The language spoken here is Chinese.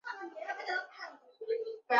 终于今天搞定了